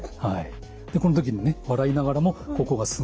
でこの時にね笑いながらもここがすごく。